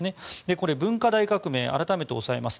これ、文化大革命を改めて押さえます。